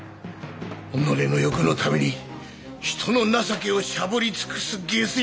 己の欲のために人の情けをしゃぶり尽くすゲス